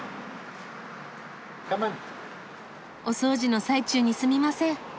お掃除の最中にすみません。